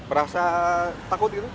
berasa takut gitu